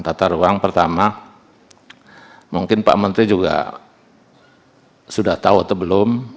tata ruang pertama mungkin pak menteri juga sudah tahu atau belum